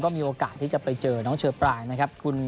มีโอกาสที่จะไปเจอน้องเชอปรางนะครับ